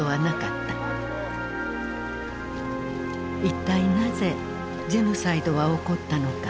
一体なぜジェノサイドは起こったのか。